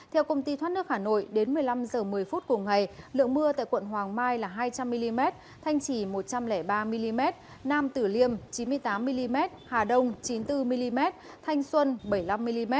theo công ty thoát nước hà nội đến một mươi năm h một mươi phút cùng ngày lượng mưa tại quận hoàng mai là hai trăm linh mm thanh chỉ một trăm linh ba mm nam tử liêm chín mươi tám mm hà đông chín mươi bốn mm thanh xuân bảy mươi năm mm